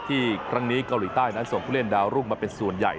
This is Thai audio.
ครั้งนี้เกาหลีใต้นั้นส่งผู้เล่นดาวรุ่งมาเป็นส่วนใหญ่